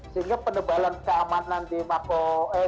sehingga penebalan keamanan di mako